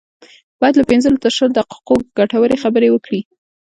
بايد له پنځلسو تر شلو دقيقو ګټورې خبرې وکړي.